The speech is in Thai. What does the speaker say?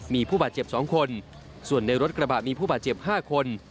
มีผู้บาดเจ็บ๒คนส่วนในรถกระบะมีผู้บาดเจ็บ๕คน